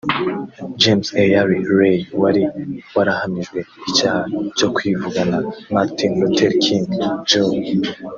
James Earl Ray wari warahamijwe icyaha cyo kwivugana Martin Luther King Jr